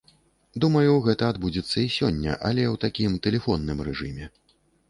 Думаю, гэта адбудзецца і сёння, але ў такім тэлефонным рэжыме.